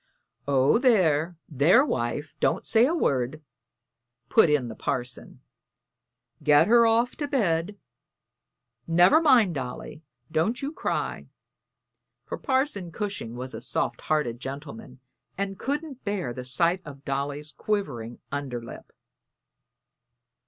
"Oh, there, there, wife; don't say a word," put in the parson. "Get her off to bed. Never mind, Dolly, don't you cry;" for Parson Cushing was a soft hearted gentleman and couldn't bear the sight of Dolly's quivering under lip.